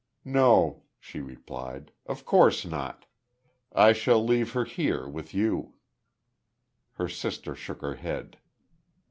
"No," she replied. "Of course not. I shall leave her here, with you." Her sister shook her head.